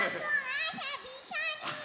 あせびっしょり！